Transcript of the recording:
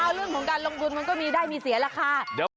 เอาเรื่องของการลงทุนมันก็มีได้มีเสียราคา